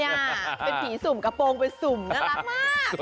เป็นผีสุ่มกระโปรงเป็นสุ่มน่ารักมาก